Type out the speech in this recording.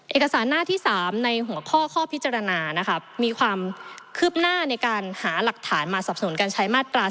เอกสารหน้าที่๓ในหัวข้อข้อพิจารณานะครับมีความคืบหน้าในการหาหลักฐานมาสับสนุนการใช้มาตรา๑